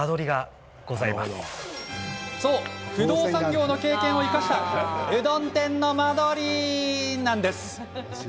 そう、不動産業の経験を生かしたうどん店の間取りなんです。